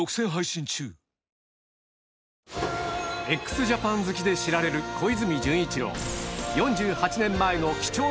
ＸＪＡＰＡＮ 好きで知られるを公開